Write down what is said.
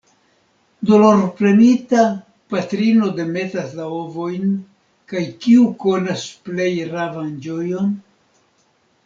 Dolorpremita, patrino demetas la ovojn, kaj, kiu konas plej ravan ĝojon?